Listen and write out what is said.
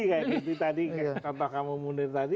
kayak contoh kamu munir tadi